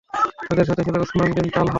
তাদের সাথে ছিল উসমান বিন তালহাও।